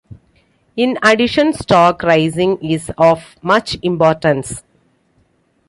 In addition stock raising is of much importance.